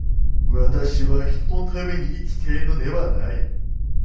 私は人のために生きているのではない。